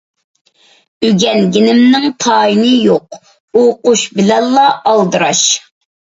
ئۆگەنگىنىمنىڭ تايىنى يوق، ئوقۇش بىلەنلا ئالدىراش.